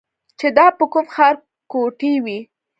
چې دا به کوم ښار ګوټی وي.